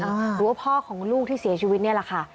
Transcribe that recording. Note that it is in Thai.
หรือว่าพ่อของลูกที่เสียชีวิตนี่แหละค่ะ